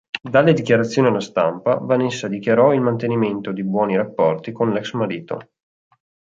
Dalle dichiarazioni alla stampa Vanessa dichiarò il mantenimento di buoni rapporti con l'ex marito.